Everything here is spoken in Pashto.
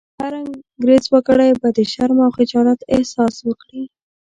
هر انګرېز وګړی به د شرم او خجالت احساس وکړي.